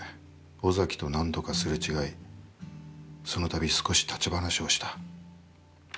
尾崎と何度かすれ違い、そのたび少し立ち話をした。